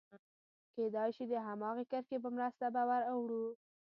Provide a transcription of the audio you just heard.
کېدای شي د هماغې کرښې په مرسته به ور اوړو.